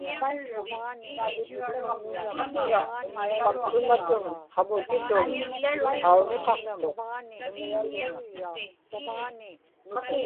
paktumatun qamutitun qauniqaqtuq